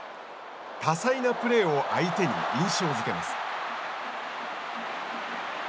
多彩なプレーを相手に印象づけます。